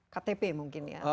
ktp mungkin ya